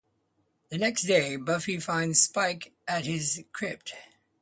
The next day, Buffy finds Spike at his crypt.